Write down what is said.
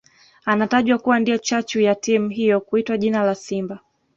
Anatajwa kuwa ndiye chachu ya timu hiyo kuitwa jina la Simba